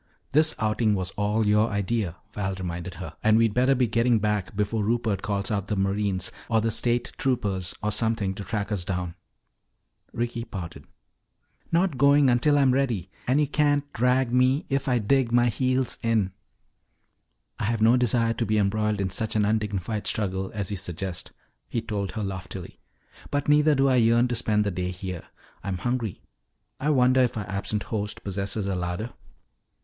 "This outing was all your idea," Val reminded her. "And we'd better be getting back before Rupert calls out the Marines or the State Troopers or something to track us down." Ricky pouted. "Not going until I'm ready. And you can't drag me if I dig my heels in." "I have no desire to be embroiled in such an undignified struggle as you suggest," he told her loftily. "But neither do I yearn to spend the day here. I'm hungry. I wonder if our absent host possesses a larder?"